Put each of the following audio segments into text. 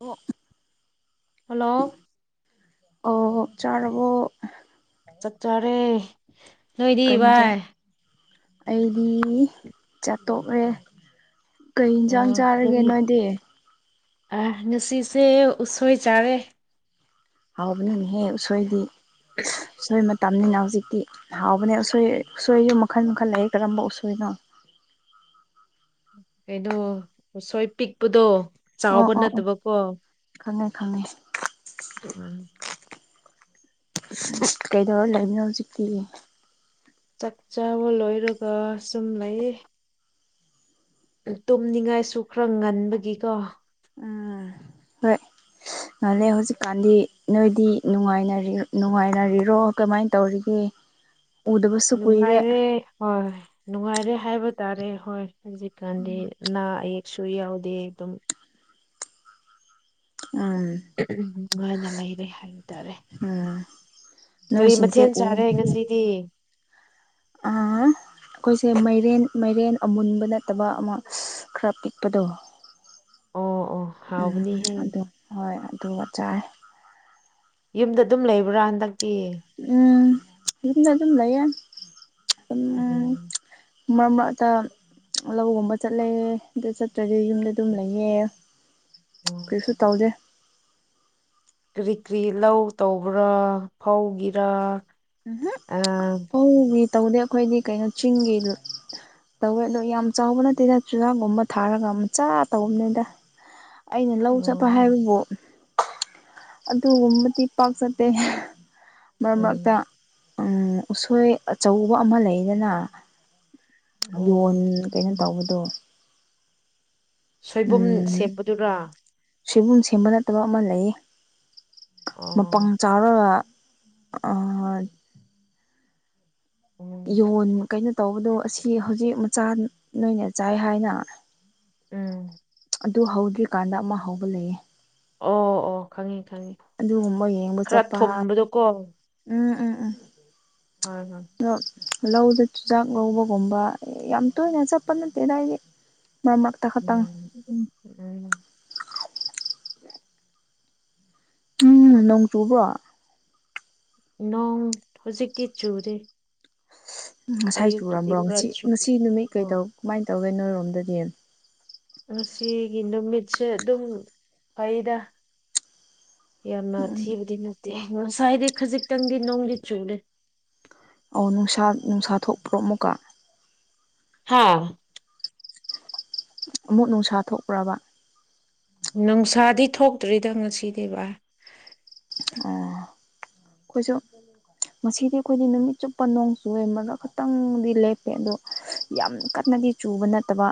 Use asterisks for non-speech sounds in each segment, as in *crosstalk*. ꯑꯣ ꯍꯜꯂꯣ ꯑꯣ ꯆꯥꯔꯕꯣ ꯆꯥꯛ ꯆꯥꯔꯦ ꯅꯣꯏꯗꯤ ꯀꯩ ꯚꯥꯏ ꯍꯤꯟꯖꯥꯡ ꯑꯩꯗꯤ ꯆꯥꯛ ꯇꯣꯛꯂꯦ ꯀꯩ ꯑꯣ ꯏꯟꯖꯥꯡ ꯆꯥꯔꯒꯦ ꯀꯔꯤ ꯅꯣꯏꯗꯤ ꯑ ꯉꯁꯤꯁꯦ ꯎꯁꯣꯏ ꯆꯥꯔꯦ ꯍꯥꯎꯕꯅꯤꯅꯦꯍꯦ ꯎꯁꯣꯏꯗꯤ *inaudible* ꯎꯁꯣꯏ ꯃꯇꯝꯅꯤꯅ ꯍꯧꯖꯤꯛꯇꯤ ꯍꯥꯎꯕꯅꯦ ꯎꯁꯣꯏ ꯎꯁꯣꯏꯖꯨ ꯃꯈꯟ ꯃꯈꯟ ꯂꯩ ꯀꯔꯝꯕ ꯎꯁꯣꯏꯅꯣ ꯀꯩꯗꯨ ꯎꯁꯣꯏ ꯄꯤꯛꯄꯗꯣ ꯑꯣ ꯆꯥꯎꯕ ꯑꯣ ꯑꯣ ꯅꯠꯇꯕꯀꯣ ꯈꯪꯉꯦ ꯈꯪꯉꯦ ꯎꯝ ꯀꯩꯗꯧꯔꯥ ꯂꯩꯕꯅꯣ ꯍꯧꯖꯤꯛꯇꯤ ꯆꯥꯛ ꯆꯥꯕ ꯂꯣꯏꯔꯒ ꯁꯨꯝ ꯂꯩ ꯇꯨꯝꯅꯤꯡꯉꯥꯏꯁꯨ ꯈꯔ ꯉꯟꯕꯒꯤꯀꯣ ꯎꯝ ꯍꯣꯏ ꯉꯜꯂꯦ ꯍꯧꯖꯤꯛꯀꯥꯟꯗꯤ ꯅꯣꯏꯗꯤ ꯅꯨꯡꯉꯥꯏꯅꯔꯤ ꯅꯨꯡꯉꯥꯏꯅꯔꯤꯔꯣ ꯀꯃꯥꯏꯟ ꯇꯧꯔꯤꯒꯦ ꯎꯗꯕꯁꯨ ꯀꯨꯏꯔꯦ ꯅꯨꯡꯉꯥꯏꯔꯦ ꯍꯣꯏ ꯅꯨꯡꯉꯥꯏꯔꯦ ꯍꯥꯏꯕ ꯇꯥꯔꯦ ꯍꯣꯏ ꯍꯧꯖꯤꯛꯀꯥꯟꯗꯤ ꯑꯅꯥ ꯑꯌꯦꯛꯁꯨ ꯌꯥꯎꯗꯦ ꯑꯗꯨꯝ ꯎꯝ ꯅꯨꯡꯉꯥꯏꯅ ꯂꯩꯔꯦ ꯍꯥꯏꯕ ꯇꯥꯔꯦ ꯎꯝ ꯀꯔꯤ ꯅꯣꯏꯁꯤꯡꯁꯦ ꯃꯊꯦꯟ ꯎ ꯆꯥꯔꯦ ꯉꯁꯤꯗꯤ ꯑꯩꯈꯣꯏꯁꯦ ꯃꯩꯔꯦꯟ ꯃꯩꯔꯦꯟ ꯑꯃꯨꯟꯕ ꯅꯠꯇꯕ ꯑꯃ ꯈꯔ ꯄꯤꯛꯄꯗꯣ ꯑꯣ ꯑꯣ ꯎꯝ ꯍꯥꯎꯕꯅꯤꯍꯦ ꯑꯗꯨ ꯍꯣꯏ ꯑꯗꯨꯒ ꯆꯥꯏ ꯌꯨꯝꯗ ꯑꯗꯨꯝ ꯂꯩꯕ꯭ꯔꯥ ꯍꯟꯗꯛꯇꯤ꯫ ꯎꯝ ꯌꯨꯝꯗ ꯑꯗꯨꯨꯝ ꯂꯩꯌꯦ ꯎꯝ ꯃ꯭ꯔ ꯃ꯭ꯔꯛꯇ ꯂꯧ ꯒꯨꯝꯕ ꯆꯠꯂꯦ ꯑꯗꯨ ꯆꯠꯇ꯭ꯔꯗꯤ ꯌꯨꯝꯗ ꯑꯗꯨꯝ ꯂꯩꯌꯦ꯫ ꯑꯣ ꯀꯩꯁꯨ ꯇꯧꯗꯦ꯫ ꯀꯔꯤ ꯀ꯭ꯔꯤ ꯂꯧ ꯇꯧꯕ꯭ꯔꯥ ꯐꯧꯒꯤꯔꯥ꯫ ꯎꯝ ꯑ ꯍꯝ *unintelligible* ꯇꯧꯗꯦ ꯑꯩꯈꯣꯏꯗꯦ ꯀꯩꯅꯣ ꯆꯤꯡꯒꯤ ꯇꯧꯋꯦ ꯑꯗꯣ ꯌꯥꯝ ꯆꯥꯎꯕ ꯅꯠꯇꯦꯗ ꯆꯨꯔꯥꯛꯒꯨꯝꯕ ꯊꯥꯔꯒ ꯃꯆꯥ ꯇꯧꯕꯅꯤꯗ꯫ ꯑꯩꯅ ꯂꯧ ꯆꯠꯄ ꯎꯝ ꯍꯥꯏꯕꯕꯨ ꯑꯗꯨꯒꯨꯝꯕꯗꯤ ꯄꯥꯛꯆꯠꯇꯦ ꯃꯔꯛ ꯃꯔꯛꯇ꯫ ꯎꯝ ꯎꯝ ꯎꯁꯣꯏ ꯑꯆꯧꯕ ꯑꯃ ꯂꯩꯗꯅ꯫ ꯌꯣꯟ ꯎꯝ ꯀꯩꯅꯣ ꯎꯝ ꯇꯧꯕꯗꯣ ꯁꯣꯏꯕꯨꯝ ꯁꯦꯝꯕꯗꯨꯔ ꯁꯤꯕꯨꯝ ꯁꯦꯝꯕ ꯅꯠꯇꯕ ꯑꯃ ꯂꯩꯌꯦ꯫ ꯑꯣ ꯃꯄꯪ ꯆꯥꯎꯔꯒ ꯑ ꯑ *unintelligible* ꯌꯣꯟ ꯀꯩꯅꯣ ꯇꯧꯕꯗꯣ ꯑꯁꯤ ꯍꯧꯖꯤꯛ ꯃꯆꯥ ꯅꯣꯏꯅ ꯆꯥꯏ ꯍꯥꯏꯅ ꯎꯝ ꯑꯗꯨ ꯍꯧꯗ꯭ꯔꯤꯀꯥꯟꯗ ꯑꯃ ꯍꯧꯕ ꯂꯩꯌꯦ ꯑꯣ ꯑꯣ ꯈꯪꯉꯦ ꯈꯪꯉꯦ ꯑꯗꯨꯒꯨꯝꯕ ꯌꯦꯡꯕ ꯈꯔ ꯆꯠꯄ ꯊꯨꯝꯕꯗꯨꯀꯣ꯫ ꯎꯝ ꯎꯝ ꯎꯝ ꯍꯣꯏ ꯍꯣꯏ ꯑꯗꯣ ꯂꯧꯗ ꯆꯨꯖꯥꯛ ꯂꯧꯕꯒꯨꯝꯕ ꯌꯥꯝ ꯇꯣꯏꯅ ꯆꯠꯄ ꯅꯠꯇꯦꯗ ꯑꯩꯗꯤ꯫ ꯃꯔꯛ ꯃꯔꯛꯇ ꯈꯇꯪ꯫ ꯎꯝ ꯎꯝ ꯎꯝ ꯅꯣꯡ ꯆꯨꯕ꯭ꯔꯣ? ꯅꯣꯡ ꯍꯧꯖꯤꯛꯇꯤ ꯆꯨꯗꯦ꯫ ꯉꯁꯥꯏ ꯑꯌꯨꯛꯇꯨꯗꯤ ꯆꯨꯔꯝꯕ꯭ꯔꯣ ꯈꯔ ꯉꯁꯤ ꯆꯨꯏ ꯉꯁꯤ ꯅꯨꯃꯤꯠ ꯑꯣ ꯀꯩꯗꯧ ꯀꯃꯥꯏꯟ ꯇꯧꯒꯦ ꯅꯣꯏꯔꯣꯝꯗꯗꯤ꯫ ꯉꯁꯤꯒꯤ ꯅꯨꯃꯤꯠꯁꯦ ꯑꯗꯨꯝ ꯐꯩꯗꯥ꯫ ꯌꯥꯝꯅ ꯎꯝ ꯊꯤꯕꯗꯤ ꯅꯠꯇꯦ ꯉꯁꯥꯏꯗꯤ ꯈꯖꯤꯛꯇꯪꯗꯤ ꯅꯣꯡꯗꯤ ꯆꯨꯔꯦ꯫ ꯑꯣ ꯅꯨꯡꯁꯥ ꯅꯨꯡꯁꯥ ꯊꯣꯛꯄ꯭ꯔꯣ ꯑꯃꯨꯛꯀꯥ꯫ ꯍꯥꯥ ꯑꯃꯨꯛ ꯅꯨꯡꯁꯥ ꯊꯣꯛꯄ꯭ꯔꯕ꯫ ꯅꯨꯡꯁꯥꯗꯤ ꯊꯣꯛꯇ꯭ꯔꯤꯗ ꯉꯁꯤꯗꯤ ꯚꯥ ꯑꯣ ꯈꯣꯏꯖꯨ ꯉꯁꯤꯗꯤ ꯑꯩꯈꯣꯏꯗꯤ ꯅꯨꯃꯤꯠ ꯆꯨꯞꯄ ꯅꯣꯡ ꯆꯨꯔꯦꯝꯕꯒ ꯈꯤꯇꯪꯗꯤ ꯂꯦꯞꯄꯦ ꯑꯗꯣ ꯌꯥꯝ ꯀꯟꯅꯗꯤ ꯆꯨꯕ ꯅꯠꯇꯕ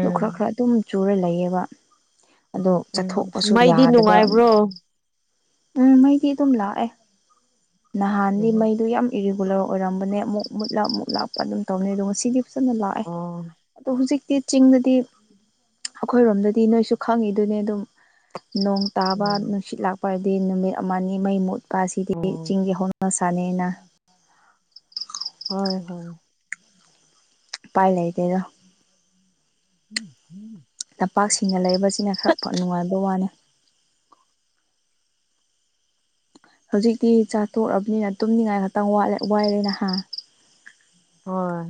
ꯑꯗꯨ ꯈꯔ ꯈꯔ ꯑꯗꯨꯝ ꯆꯨꯔ ꯂꯩꯌꯦꯕ꯫ ꯑꯗꯣ ꯎꯝ ꯆꯠꯊꯣꯛꯄꯁꯨ ꯃꯩꯗꯤ ꯌꯥꯗꯕ ꯑꯝ ꯅꯨꯡꯉꯥꯏꯕ꯭ꯔꯣ ꯎꯝ ꯃꯩꯗꯤ ꯑꯗꯨꯝ ꯂꯥꯛꯑꯦ ꯅꯍꯥꯟꯗꯤ ꯎꯝ ꯃꯩꯗꯨ ꯌꯥꯝ ꯏꯔꯤꯒꯨꯂꯔ ꯑꯣꯏꯔꯝꯕꯅꯦ ꯑꯃꯨꯛ ꯃꯨꯠꯂ ꯑꯃꯨꯛ ꯂꯥꯛꯄ ꯑꯗꯨꯝ ꯇꯧꯕꯅꯦ ꯑꯗꯨ ꯉꯁꯤꯗꯤ ꯐꯖꯅ ꯂꯥꯛꯑꯦ ꯑꯣ ꯑꯗꯣ ꯍꯧꯖꯤꯛꯇꯤ ꯆꯤꯡꯗꯗꯤ ꯑꯩꯈꯣꯏꯔꯣꯝꯗꯗꯤ ꯅꯣꯏꯁꯨ ꯈꯪꯉꯤꯗꯨꯅꯤ ꯑꯗꯨꯝ ꯅꯣꯡ ꯇꯥꯕ ꯎꯝ ꯅꯨꯡꯁꯤꯠ ꯂꯥꯛꯄ ꯍꯥꯏꯗꯤ ꯅꯨꯃꯤꯠ ꯑꯃ ꯅꯤ ꯃꯩ ꯃꯨꯠꯄ ꯑꯁꯤꯗꯤ ꯑꯣ ꯆꯤꯡꯒꯤ ꯍꯧꯅ ꯁꯥ ꯁꯥꯅꯤꯅꯥ ꯍꯣꯏ ꯍꯣꯏ ꯎꯄꯥꯏ ꯂꯩꯇꯦꯗ *unintelligible* ꯂꯝꯄꯥꯛꯁꯤꯡꯅ ꯂꯩꯕꯁꯤꯅ ꯈꯔ ꯅꯨꯡꯉꯥꯏꯕ ꯋꯥꯅꯤ ꯍꯧꯖꯤꯛꯇꯤ ꯆꯥꯇꯣꯛꯔꯕꯅꯤꯅ ꯇꯨꯝꯅꯤꯡꯉꯥꯏ ꯈꯇꯪ ꯋꯥꯠꯂꯦ ꯋꯥꯏꯔꯦꯅꯦ ꯍꯥ ꯍꯣꯏ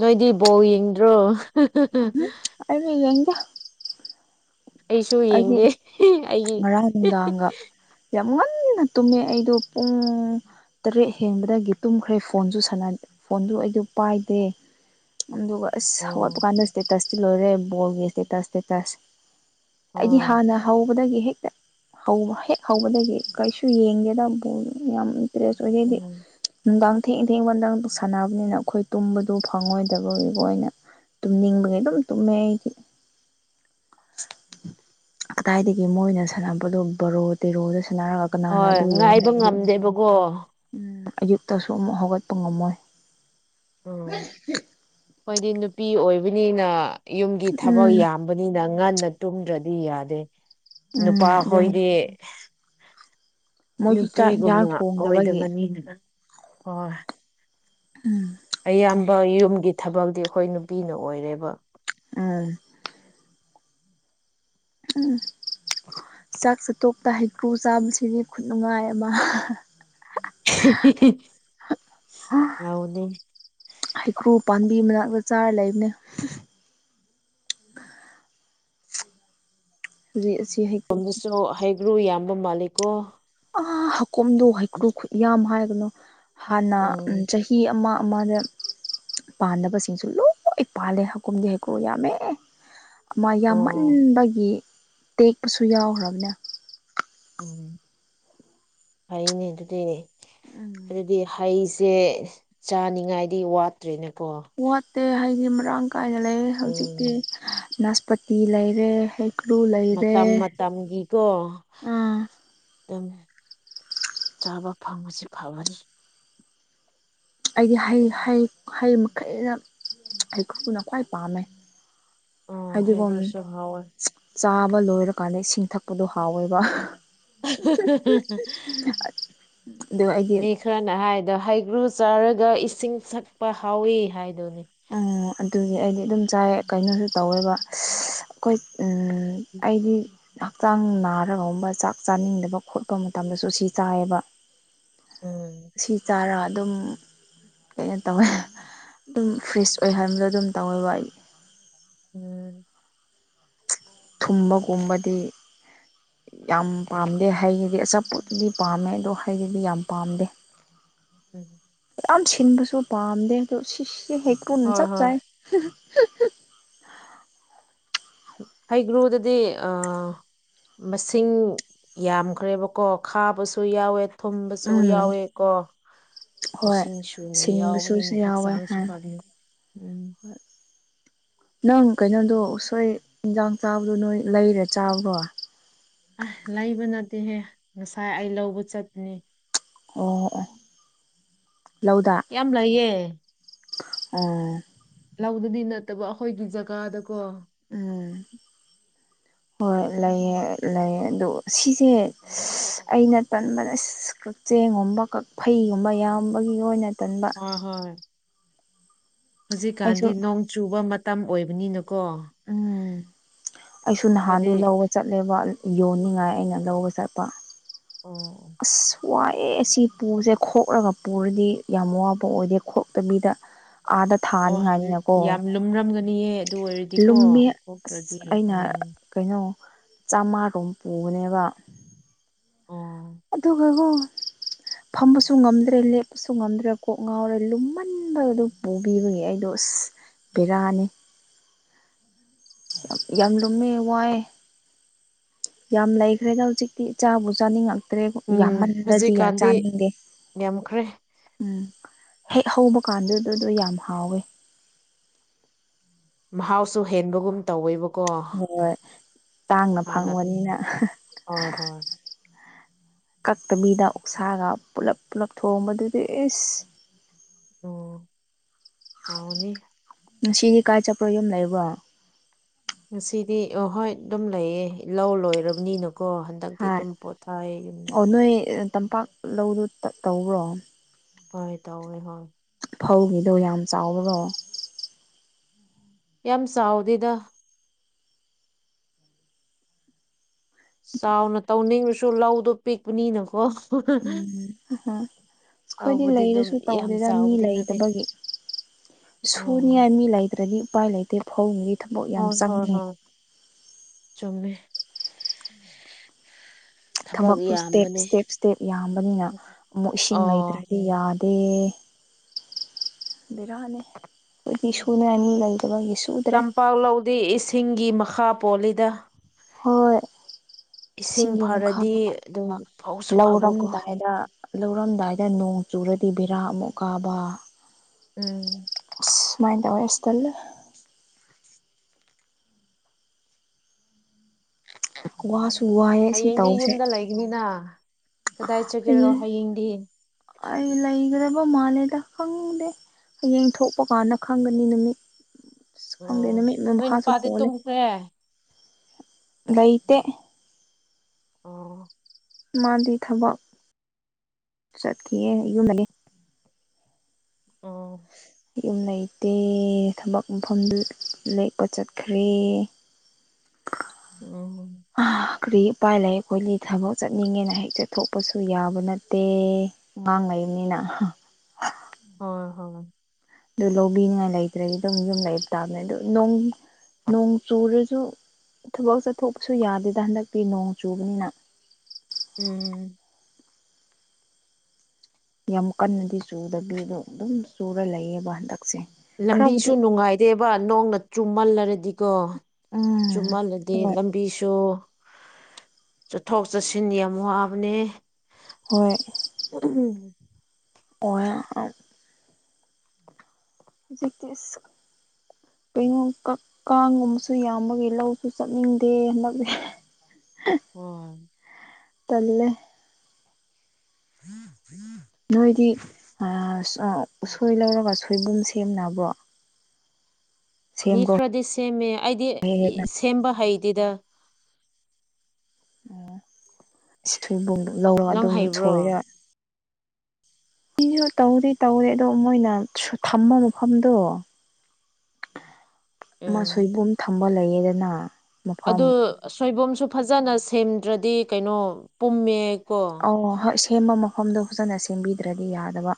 ꯅꯣꯏꯗꯤ ꯕꯣꯜ ꯌꯦꯡꯗ꯭ꯔꯣ *unintelligible* ꯑꯩꯔꯣ ꯌꯦꯡꯗꯦ ꯑꯩꯁꯨ ꯑꯩꯗꯤ ꯌꯦꯡꯗꯦ ꯑꯩꯒꯤ ꯉꯔꯥꯡ ꯅꯨꯡꯗꯥꯡꯒ *unintelligible* ꯌꯥꯝ ꯉꯟꯅ ꯇꯨꯝꯃꯦ ꯑꯩꯗꯣ ꯄꯨꯡ ꯇꯔꯦꯠ ꯍꯦꯟꯕꯗꯒꯤ ꯇꯨꯝꯈ꯭ꯔꯦ ꯐꯣꯟꯁꯨ ꯁꯥꯅꯥ ꯐꯣꯟꯁꯨ ꯑꯩꯗꯨ ꯄꯥꯏꯗꯦ ꯑꯗꯨꯒ ꯑꯁ ꯍꯧꯒꯠꯄ ꯑꯣ ꯀꯥꯟꯗ ꯏꯁꯇꯦꯇꯁꯇꯤ ꯂꯣꯏꯔꯦ ꯕꯣꯜꯒꯤ ꯏꯁꯇꯦꯇꯁ ꯏꯁꯇꯦꯇꯁ ꯑꯩꯗꯤ ꯍꯣꯏ ꯍꯥꯟꯅ ꯍꯧꯕꯗꯒꯤ ꯍꯦꯛꯇ ꯍꯧꯕ ꯍꯦꯛ ꯍꯧꯕꯗꯒꯤ ꯀꯩꯁꯨ ꯌꯦꯡꯗꯦꯗ ꯕꯣꯜ ꯌꯥꯝ ꯏꯟꯇꯔꯦꯁ ꯑꯣꯏꯗꯦꯗꯤ ꯎꯝ ꯅꯨꯡꯗꯥꯡ ꯊꯦꯡ ꯊꯦꯡꯕ ꯅꯪꯗꯣ ꯁꯥꯟꯅꯕꯅꯤꯅ ꯑꯩꯈꯣꯏ ꯇꯨꯝꯕꯗꯨ ꯐꯪꯉꯣꯏꯗꯕꯒꯤꯀꯣ ꯑꯣꯏꯅ ꯇꯨꯝꯅꯤꯡꯕꯒꯤ ꯑꯗꯨꯝ ꯇꯨꯝꯃꯦ ꯑꯩꯗꯤ ꯀꯗꯥꯏꯗꯒꯤ ꯃꯣꯏꯅ ꯁꯥꯟꯅꯕꯗꯣ ꯕꯔꯣ ꯇꯦꯔꯣꯗ ꯁꯥꯟꯅꯔꯒ ꯀꯅꯥꯅ ꯍꯣꯏ ꯑꯗꯨ ꯌꯦꯡ ꯉꯥꯏꯕ ꯂꯩꯒꯅꯤ ꯉꯝꯗꯦꯕꯀꯣ ꯎꯝ ꯑꯌꯨꯛꯇꯁꯨ ꯑꯃꯨꯛ ꯍꯧꯒꯠꯄ ꯉꯝꯃꯣꯏ ꯎꯝ ꯑꯈꯣꯏꯗꯤ ꯅꯨꯄꯤ ꯑꯣꯏꯕꯅꯤꯅ ꯌꯨꯝꯒꯤ ꯊꯕꯛ ꯎꯝ ꯌꯥꯝ ꯕꯅꯤꯅ ꯉꯟꯅ ꯇꯨꯝꯗ꯭ꯔꯗꯤ ꯌꯥꯗꯦ ꯅꯨꯄꯥ ꯎꯝ ꯑꯗꯨꯅꯤ ꯍꯣꯏꯗꯤ ꯃꯣꯏꯁꯨ ꯆꯥꯛ ꯌꯦꯟꯁꯥꯡ ꯅꯨꯄꯤꯒꯨꯝꯅ ꯊꯣꯡꯗꯕꯒꯤ ꯑꯣꯏꯗꯕꯅꯤꯅ ꯍꯣꯏ ꯎꯝ ꯑꯌꯥꯝꯕ ꯌꯨꯝꯒꯤ ꯊꯕꯛꯇꯤ ꯑꯩꯈꯣꯏ ꯅꯨꯄꯤꯅ ꯑꯣꯏꯔꯦꯕ ꯎꯝ *unintelligible* ꯆꯥꯛ ꯆꯥꯊꯣꯛꯇ ꯍꯩꯀ꯭ꯔꯨ ꯆꯥꯕꯁꯤꯗꯤ ꯈꯨꯅꯨꯡꯉꯥꯏ ꯑꯃ ꯍꯦꯍꯦꯍꯦ ꯍꯥꯎꯕꯅꯤ ꯍꯩꯀ꯭ꯔꯨ ꯄꯥꯝꯕꯤ ꯃꯅꯥꯛꯇ ꯆꯥꯔ ꯂꯩꯕꯅꯦ ꯗꯦꯁꯀꯤ ꯍꯩ ꯁꯣꯝꯗꯁꯨ ꯍꯩꯒ꯭ꯔꯨ ꯌꯥꯝꯕ ꯃꯥꯜꯂꯤꯀꯣ ꯑꯥ ꯍꯥꯀꯨꯝꯗꯨ ꯍꯩꯀ꯭ꯔꯨ ꯈꯨꯠ ꯌꯥꯝ ꯍꯥꯏꯒꯅꯨ ꯍꯥꯟꯅ ꯎꯝ ꯆꯍꯤ ꯑꯃ ꯑꯃꯗ ꯄꯥꯟꯗꯕꯁꯤꯡꯁꯨ ꯂꯣꯏ ꯄꯥꯜꯂꯦ ꯍꯥꯀꯨꯝꯗꯤ ꯍꯩꯀ꯭ꯔꯨ ꯌꯥꯝꯃꯦ ꯑꯃꯥ ꯑꯣ ꯌꯥꯝꯃꯟꯕꯒꯤ ꯇꯦꯛꯄꯁꯨ ꯌꯥꯎꯈ꯭ꯔꯕꯅꯦ ꯎꯝ ꯐꯩꯌꯦꯅꯦ ꯑꯗꯨꯗꯤ ꯎꯝ ꯑꯗꯨꯗꯤ ꯍꯩꯁꯦ ꯆꯥꯅꯤꯡꯉꯥꯏꯗꯤ ꯋꯥꯠꯇ꯭ꯔꯦꯅꯦꯀꯣ ꯋꯥꯠꯇꯦ ꯍꯩꯗꯤ ꯃꯔꯥꯡ ꯀꯥꯏꯅ ꯂꯩꯌꯦ ꯍꯧꯖꯤꯛꯇꯤ ꯎꯝ ꯅꯥꯁꯄꯇꯤ ꯂꯩꯔꯦ ꯍꯩ ꯃꯇꯝ ꯃꯇꯝꯒꯤꯀꯣ ꯎꯝ ꯗꯨꯝ ꯆꯥꯕ ꯐꯪꯕꯁꯤ ꯐꯕꯅꯤ ꯑꯩꯗꯤ ꯍꯩ ꯍꯩ ꯍꯩ ꯃꯈꯩꯅ ꯍꯩꯀ꯭ꯔꯨꯅ ꯈ꯭ꯋꯥꯏ ꯄꯥꯝꯃꯦ ꯑꯣ ꯍꯥꯏꯗꯤꯒꯣꯟ ꯍꯩꯒ꯭ꯔꯨꯁꯨ ꯍꯥꯎꯋꯦ ꯆꯥꯕ ꯂꯣꯏꯔꯀꯥꯟꯗ ꯏꯁꯤꯡ ꯊꯛꯄꯗꯣ ꯍꯥꯎꯋꯦꯕ ꯑꯗꯨ ꯑꯩꯒꯤ ꯃꯤ ꯈꯔꯅ ꯍꯥꯏꯗꯣ ꯍꯩꯒ꯭ꯔꯨ ꯆꯥꯔꯒ ꯏꯁꯤꯡ ꯊꯛꯄ ꯍꯥꯎꯋꯤ ꯍꯥꯏꯗꯨꯅꯦ ꯑꯣ ꯑꯗꯨꯒꯤ ꯑꯩꯗꯤ ꯑꯗꯨꯝ ꯆꯥꯏꯌꯦ ꯀꯩꯅꯣꯁꯨ ꯇꯧꯋꯦꯕ ꯑꯩꯈꯣꯏ ꯎꯝ ꯎꯝ ꯑꯩꯗꯤ ꯍꯛꯆꯥꯡ ꯅꯥꯔꯒꯨꯝꯕ ꯆꯥꯛ ꯆꯥꯅꯤꯡꯗꯕ ꯈꯣꯠꯄ ꯃꯇꯝꯗꯁꯨ ꯁꯤ ꯆꯥꯏꯌꯦꯕ ꯎꯝ ꯁꯤ ꯆꯥꯔ ꯑꯗꯨꯝ ꯀꯩꯅꯣ ꯇꯧꯋꯦ ꯑꯗꯨꯝ ꯐ꯭ꯔꯤꯁ ꯑꯣꯏ ꯍꯟꯕ ꯑꯗꯨꯝ ꯇꯧꯋꯦꯕ ꯑꯩ ꯎꯝ ꯊꯨꯝꯕꯒꯨꯝꯕꯗꯤ ꯌꯥꯝ ꯄꯥꯝꯗꯦ ꯍꯩꯒꯤꯗꯤ ꯑꯆꯥꯄꯣꯠꯇꯗꯤ ꯄꯥꯝꯃꯦ ꯑꯗꯣ ꯍꯩꯒꯤꯗꯤ ꯌꯥꯝ ꯄꯥꯝꯗꯦ ꯎꯝ ꯌꯥꯝ ꯁꯤꯟꯕꯁꯨ ꯄꯥꯝꯗꯦ ꯑꯗꯣ ꯁꯤꯁꯤ ꯍꯩꯀ꯭ꯔꯨꯅ ꯍꯣꯏ ꯆꯞ ꯍꯣꯏ ꯆꯥꯏ ꯍꯩꯀ꯭ꯔꯨꯗꯨꯗꯤ ꯑꯥ ꯃꯁꯤꯡ ꯌꯥꯝꯈ꯭ꯔꯦꯕꯀꯣ ꯈꯥꯕꯁꯨ ꯌꯥꯎꯋꯦ ꯊꯨꯝꯕꯁꯨ ꯎꯝ ꯌꯥꯎꯋꯦꯀꯣ ꯍꯣꯏ ꯢꯁꯤꯡꯁꯨꯅ ꯁꯤꯟꯕꯁꯨ ꯌꯥꯎꯕꯅꯤꯅ ꯌꯥꯎꯋꯦ ꯍꯛꯆꯥꯡꯁꯨ ꯍꯥꯏ ꯐꯪꯉꯦ ꯎꯝ ꯅꯪ ꯀꯩꯅꯣꯗꯣ ꯎꯁꯣꯏ ꯍꯤꯟꯖꯥꯡ ꯆꯥꯕꯗꯣ ꯅꯣꯏ ꯂꯩꯔ ꯆꯥꯕ꯭ꯔꯣ ꯑꯥꯢ ꯂꯩꯕ ꯅꯠꯇꯦꯍꯦ ꯉꯁꯥꯏ ꯑꯩ ꯂꯧꯕ ꯆꯠꯄꯅꯦ ꯑꯣ ꯑꯣ ꯂꯧꯗ ꯌꯥꯝ ꯂꯩꯌꯦ ꯑꯣ ꯂꯧꯗꯗꯤ ꯅꯠꯇꯕ ꯑꯩꯈꯣꯏꯒꯤ ꯖꯒꯥꯗꯀꯣ ꯎꯝ ꯍꯣꯏ ꯂꯩꯌꯦ ꯂꯩ ꯑꯗꯣ ꯁꯤꯁꯦ ꯑꯩꯅ ꯊꯟꯕꯗ ꯑꯁ ꯆꯦꯡꯒꯨꯝꯕ ꯀꯥꯛꯐꯩꯒꯨꯝꯕ ꯌꯥꯝꯕꯒꯤ ꯑꯣꯏꯅ ꯇꯟꯕ ꯑꯥ ꯍꯣꯏ ꯍꯧꯖꯤꯛꯀꯥꯟꯗꯤ ꯑꯩꯁꯨ ꯅꯣꯡ ꯆꯨꯕ ꯃꯇꯝ ꯑꯣꯏꯕꯅꯤꯅꯀꯣ ꯎꯝ ꯑꯩꯁꯨ ꯅꯍꯥꯟꯗꯨ ꯈꯔꯗꯤ ꯂꯧꯕ ꯆꯠ ꯂꯦꯕ ꯌꯣꯟꯅꯤꯡꯉꯥꯏ ꯑꯩꯅ ꯂꯧꯕ ꯆꯠꯄ ꯑꯣ ꯑꯁ ꯋꯥꯏꯌꯦ ꯁꯤ ꯄꯨꯁꯦ ꯈꯣꯛꯔꯒ ꯄꯨꯔꯗꯤ ꯌꯥꯝ ꯋꯥꯕ ꯑꯣꯏꯗꯦ ꯈꯣꯛꯇꯕꯤꯗ ꯑꯥꯗ ꯑꯣ ꯊꯥꯅꯤꯡꯉꯥꯏꯅꯤꯅꯀꯣ ꯌꯥꯝ ꯂꯨꯝꯔꯝꯒꯅꯤꯌꯦ ꯑꯗꯨ ꯑꯣꯏꯔꯗꯤꯀꯣ ꯂꯨꯝꯃꯦ ꯀꯣꯛꯇ꯭ꯔꯗꯤ ꯑꯁ ꯑꯩꯅ ꯎꯝ ꯀꯩꯅꯣ ꯆꯥꯝꯃꯥꯔꯣꯝ ꯄꯨꯕꯅꯦꯕ ꯑꯣ ꯑꯗꯨꯒꯀꯣ ꯐꯝꯕꯁꯨ ꯉꯝꯗ꯭ꯔꯦ ꯂꯦꯞ ꯁꯨ ꯉꯝꯗ꯭ꯔꯦ ꯀꯣꯛ ꯉꯥꯎꯔꯦ ꯂꯨꯝꯃꯟꯕ ꯑꯗꯨ ꯄꯨꯕꯤꯕꯒꯤ ꯑꯩꯗꯣ ꯑꯁ ꯕꯦꯔꯥꯅꯦ ꯌꯥꯝ ꯂꯨꯝꯃꯦ ꯋꯥꯢꯌꯦ ꯌꯥꯝ ꯂꯩꯈ꯭ꯔꯦꯗ ꯍꯧꯖꯤꯛꯇꯤ ꯆꯥꯕꯨ ꯆꯥꯅꯤꯡꯉꯛ *unintelligible* ꯎꯝ ꯌꯥꯝꯃꯜꯂꯗꯤ ꯍꯧꯖꯤꯛꯀꯥꯟꯗꯤ ꯆꯥꯅꯤꯡꯗꯦ ꯌꯥꯝꯈ꯭ꯔꯦ ꯎꯝ ꯍꯦꯛ ꯍꯧꯕ ꯀꯥꯟꯗꯨꯗꯣ ꯌꯥꯝ ꯍꯥꯎꯋꯦ ꯃꯍꯥꯎꯁꯨ ꯍꯦꯟꯕꯒꯨꯝ ꯇꯧꯋꯦꯕꯀꯣ ꯍꯣꯏ ꯇꯥꯡꯅ ꯍꯥꯟꯅ ꯐꯪꯕꯅꯤꯅ ꯍꯣꯏ ꯍꯣꯏ ꯀꯛꯇꯕꯤꯗ ꯑꯣꯛꯁꯥꯒ ꯄꯨꯜꯂꯞ ꯄꯨꯜꯂꯞ ꯊꯣꯡꯕꯗꯨꯗꯤ ꯏꯁ ꯑꯣ ꯍꯥꯎꯒꯅꯤ ꯉꯁꯤꯒꯤ ꯀꯥꯏ ꯆꯠꯄ꯭ꯔꯣ ꯌꯨꯝ ꯂꯩꯕꯣ ꯉꯁꯤꯗꯤ ꯑꯍꯣꯏ ꯑꯗꯨꯝ ꯂꯩꯌꯦ ꯂꯧ ꯂꯣꯏꯔꯕꯅꯤꯅꯀꯣ ꯍꯟꯗꯛꯇꯤ ꯍꯣꯏ ꯑꯗꯨꯝ ꯄꯣꯊꯥꯏ ꯌꯨꯝꯗ ꯑꯣ ꯅꯣꯏ ꯇꯝꯄꯥꯛ ꯂꯧꯗꯣ ꯇꯧꯕ꯭ꯔꯣ ꯍꯣꯏ ꯇꯧꯋꯦ ꯍꯣꯏ ꯐꯧꯁꯤꯡꯗꯣ ꯌꯥꯝ ꯆꯥꯎꯕꯗꯣ ꯌꯥꯝ ꯆꯥꯎꯗꯦꯗ ꯆꯥꯎꯅ ꯇꯧꯅꯤꯡꯑꯁꯨ ꯂꯧꯗꯨ ꯄꯤꯛꯄꯅꯤꯅꯀꯣ ꯎꯝ *unintelligible* ꯑꯩꯈꯣꯏꯗꯤ ꯇꯧꯕꯗꯤ ꯑꯗꯨꯝ ꯂꯩꯔꯁꯨ ꯌꯥꯝ ꯇꯧꯗꯦꯗ ꯃꯤ ꯆꯥꯎꯕꯗꯤ ꯅꯠꯇꯦ ꯂꯩꯇꯕꯒꯤ ꯎꯝ ꯁꯨꯅꯤꯉꯥꯏ ꯃꯤ ꯂꯩ ꯑꯗꯒꯤ ꯎꯄꯥꯏ ꯂꯩꯇꯦ ꯐꯧꯒꯤ ꯊꯕꯛ ꯌꯥꯝ ꯍꯣꯏ ꯍꯣꯏ ꯆꯪꯉꯦ ꯍꯣꯏ ꯆꯨꯝꯃꯦ ꯊꯕꯛ ꯊꯕꯛꯇꯨ ꯁ꯭ꯇꯦꯞ ꯌꯥꯝꯕꯅꯦ ꯁ꯭ꯇꯦꯞ ꯁ꯭ꯇꯦꯞ ꯌꯥꯝꯕꯅꯤꯅ ꯑꯃꯨꯛ ꯏꯁꯤꯡ ꯑꯣ ꯂꯩꯇ꯭ꯔꯗꯤ ꯌꯥ ꯗꯦ ꯕꯤꯔꯥꯅꯤ ꯑꯩꯗꯤ ꯁꯨꯅꯉꯥꯢ ꯃꯤ ꯂꯩꯇꯕꯒꯤ ꯁꯨ ꯇꯝꯄꯥꯛ ꯂꯧꯗꯤ ꯏꯁꯤꯡꯒꯤ ꯃꯈꯥ ꯄꯣꯜꯂꯤꯗ ꯍꯣꯏ ꯏꯁꯤꯡ ꯁꯤꯡꯗꯨꯅ ꯐꯔꯗꯤ ꯑꯗꯨꯝ ꯈꯪꯉꯛꯀꯟꯗ ꯐꯧꯁꯨ ꯐꯕꯀꯣ ꯂꯧꯔꯝꯗꯥꯏꯗ ꯂꯧꯔꯝꯗꯥꯏꯗ ꯅꯣꯡ ꯆꯨꯔꯗꯤ ꯕꯦꯔꯥ ꯑꯃꯨꯛ ꯀꯥꯕ ꯎꯝ ꯑꯁ ꯁꯨꯃꯥꯏꯟ ꯇꯧꯋꯦ ꯑꯁ ꯇꯜꯂꯦ ꯋꯥꯁꯨ ꯋꯥꯏꯑꯦ ꯁꯤ ꯍꯌꯦꯡꯗꯤ ꯇꯧꯁꯦ ꯌꯨꯝꯗ ꯂꯩꯒꯅꯤꯅ ꯀꯗꯥꯏ ꯆꯠꯒꯦꯔꯣ ꯍꯌꯦꯡ ꯍꯥꯌꯦꯡꯗꯤ ꯑꯩ ꯂꯩꯒꯥꯗꯕ ꯃꯥꯜꯂꯦꯗ ꯈꯪꯗꯦ ꯍꯌꯦꯡ ꯊꯣꯛꯄ ꯀꯥꯟꯗ ꯈꯪꯒꯅꯤ ꯅꯨꯃꯤꯠ ꯈꯪꯗꯦ ꯑꯣ ꯅꯨꯃꯤꯠꯅ ꯅꯣꯏ ꯃꯈꯥꯁꯨ ꯅꯨꯄꯥꯗꯤ ꯄꯣꯜꯂꯦ *unintelligible* ꯂꯩꯇꯦ ꯑꯣ ꯃꯥꯗꯤ ꯊꯕꯛ ꯆꯠꯈꯤꯑꯦ ꯌꯨꯝ ꯂꯩꯌꯦ ꯑꯣ ꯌꯨꯝ ꯂꯩꯇꯦ ꯊꯕꯛ ꯃꯐꯝꯗ ꯂꯦꯛꯄ ꯆꯠꯈ꯭ꯔꯦ ꯎꯝ ꯑꯥ ꯀꯔꯤ ꯎꯄꯥꯏ ꯂꯩ ꯑꯩꯈꯣꯏꯗꯤ ꯊꯕꯛ ꯆꯠꯅꯤꯡꯉꯦꯅ ꯍꯦꯛꯇ ꯊꯣꯛꯄꯁꯨ ꯌꯥꯕ ꯅꯠꯇꯦ ꯑꯉꯥꯡ ꯂꯩꯕꯅꯤꯅ ꯍ ꯍꯣꯏ ꯍꯣꯏ ꯑꯗꯨ ꯂꯧꯕꯤꯅꯤꯉꯥꯏ ꯂꯩꯇ꯭ꯔꯗꯤ ꯑꯗꯨꯝ ꯌꯨꯝ ꯂꯩꯕ ꯇꯥꯕꯅꯦ ꯑꯗꯨ ꯅꯣꯡ ꯆꯨꯔꯁꯨ ꯊꯕꯛ ꯆꯠꯊꯣꯛꯄꯁꯨ ꯌꯥꯗꯦꯗ ꯍꯟꯗꯛꯇꯤ ꯅꯣꯡ ꯆꯨꯕꯅꯤꯅ ꯎꯝ ꯌꯥꯝ ꯀꯟꯅꯗꯤ ꯆꯨꯗꯕꯤꯗꯣ ꯑꯗꯨꯝ ꯆꯨꯔ ꯂꯩꯌꯦꯕ ꯍꯟꯗꯛꯁꯦ ꯂꯝꯕꯤꯁꯨ ꯈꯔꯕꯨꯗꯤ ꯅꯨꯡꯉꯥꯏꯗꯦꯕ ꯅꯣꯡꯅ ꯆꯨꯝꯃꯜꯂꯔꯗꯤꯀꯣ ꯎꯝ ꯆꯨꯝꯃꯜꯂꯗꯤ ꯍꯣꯏ ꯂꯝ ꯄꯤꯁꯣ ꯆꯠꯊꯣꯛ ꯆꯠꯁꯤꯟ ꯌꯥꯝ ꯋꯥꯕꯅꯦ ꯍꯣꯏ *unintelligible* ꯑꯣꯌꯥ ꯑꯝ ꯖꯤꯀꯤꯁ ꯀꯩꯅꯣ ꯀꯛ ꯀꯥꯡꯒꯨꯝꯕꯁꯨ ꯌꯥꯝꯕꯒꯤ ꯂꯧꯁꯨ ꯆꯠꯅꯤꯡꯗꯦ ꯍꯟꯗꯛꯁꯤ ꯎꯝ ꯇꯜꯂꯦ *unintelligible* ꯅꯣꯏꯗꯤ ꯑꯥ ꯎꯁꯣꯏ ꯂꯧꯔꯒ ꯁꯣꯏꯕꯨꯝ ꯁꯦꯝꯅꯕ꯭ꯔꯣ ꯃꯤ ꯁꯦꯝꯕ꯭ꯔꯣ ꯈꯔꯗꯤ ꯁꯦꯝꯃꯦ ꯑꯩꯗꯤ ꯁꯦꯝꯕ ꯍꯩꯇꯦꯗ ꯑꯣ ꯁꯤꯊꯣꯏꯕꯨꯡꯗꯣ ꯂꯧꯔꯒ ꯅꯪ ꯑꯗꯨꯝ ꯍꯩꯕ꯭ꯔꯣ ꯁꯣꯏꯔ ꯏꯌꯣ ꯇꯧꯗꯤ ꯇꯧꯔꯤ ꯑꯗꯣ ꯃꯣꯏꯅ ꯁꯨ ꯊꯝꯕ ꯃꯐꯝꯗꯣ *inaudible* ꯃꯥ ꯎꯝ ꯁꯣꯏꯕꯨꯝ ꯊꯝꯕ ꯂꯩꯌꯦꯗꯅ ꯃꯐꯝ ꯑꯗꯨ ꯁꯣꯏꯕꯨꯝꯁꯨ ꯐꯖꯅꯥ ꯁꯦꯝꯗ꯭ꯔꯥꯗꯤ ꯀꯩꯅꯣ ꯄꯨꯝꯃꯦ ꯀꯣ ꯑꯣ ꯍꯣꯏ ꯁꯦꯝꯕ ꯃꯐꯝꯗꯣ ꯐꯖꯅꯥ ꯁꯦꯝꯕꯤꯗ꯭ꯔꯥꯗꯤ ꯌꯥꯗꯕ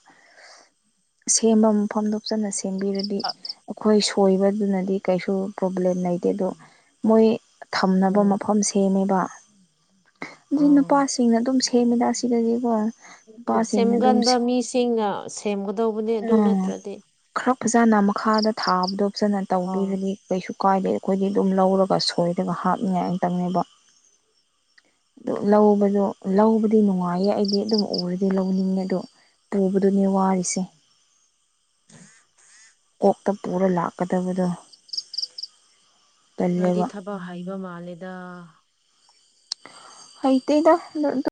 ꯁꯦꯝꯕ ꯃꯐꯝꯗꯣ ꯐꯖꯅꯥ ꯁꯦꯝꯕꯤꯔꯗꯤ ꯑꯩꯈꯣꯏ ꯁꯣꯏꯕꯗꯨꯅꯗꯤ ꯀꯩꯁꯨ ꯄ꯭ꯔꯣꯕ꯭ꯂꯦꯝ ꯂꯩꯇꯦ ꯗꯣ ꯃꯣꯏ ꯊꯝꯅꯕ ꯎꯝ ꯃꯐꯝ ꯁꯦꯝꯃꯦꯕ ꯑꯩ ꯑꯥ ꯅꯨꯄꯥꯁꯤꯡꯅ ꯑꯗꯨꯝ ꯁꯦꯝ ꯁꯦꯝꯃꯤꯗ ꯑꯁꯤꯗꯒꯤꯀꯣ ꯀꯩ ꯍꯥꯏꯕꯅꫭ ꯁꯦꯝꯒꯟꯕ ꯃꯤꯁꯤꯡꯅ ꯁꯦꯝꯒꯗꯧꯕꯅꯦ ꯑꯗꯨ ꯎꯝ ꯅꯠꯇ꯭ꯔꯥꯗꯤ ꯈꯔ ꯐꯖꯅꯥ ꯃꯈꯥꯗ ꯊꯥꯕꯗꯣ ꯐꯖꯅꯥ ꯑꯣ ꯇꯧꯕꯤꯔꯗꯤ ꯀꯩꯁꯨ ꯀꯥꯏꯗꯦ ꯑꯩꯈꯣꯏꯗꯤ ꯑꯗꯨꯝ ꯂꯧꯔꯒ ꯁꯣꯏꯔꯒ ꯍꯥꯞꯅꯤꯡꯉꯥꯏ ꯑꯝꯇꯪꯅꯦꯕ ꯑꯗꯨ ꯂꯧꯕꯗꯣ ꯂꯧꯕꯗꯤ ꯅꯨꯡꯉꯥꯏꯌꯦ ꯑꯩꯗꯤ ꯑꯗꯨꯝ ꯎꯔꯗꯤ ꯂꯧꯅꯤꯡꯉꯦ ꯑꯗꯣ ꯇꯧꯕꯗꯨꯅꯦ ꯋꯥꯔꯤꯁꯦ *inaudible* ꯀꯣꯛꯇ ꯄꯨꯔ ꯂꯥꯛꯀꯗꯕꯗꯣ ꯅꯣꯏꯗꯤ ꯇꯜꯂꯦꯕ ꯊꯕꯛ ꯍꯩꯕ ꯃꯥꯜꯂꯦꯗ ꯍꯩꯇꯦꯗ ꯑꯗꯨ ꯗꯨ